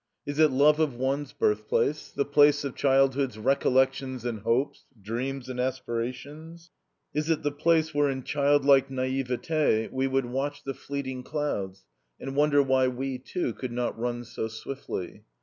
Is it love of one's birthplace, the place of childhood's recollections and hopes, dreams and aspirations? Is it the place where, in childlike naivety, we would watch the fleeting clouds, and wonder why we, too, could not run so swiftly?